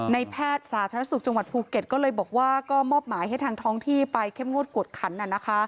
แพทย์สาธารณสุขจังหวัดภูเก็ตก็เลยบอกว่าก็มอบหมายให้ทางท้องที่ไปเข้มงวดกวดขัน